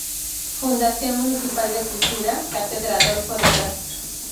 Fundación Municipal de Cultura, Cátedra "Adolfo de Castro".